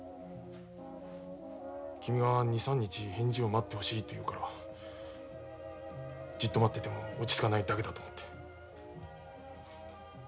君が２３日返事を待ってほしいと言うからじっと待ってても落ち着かないだけだと思って。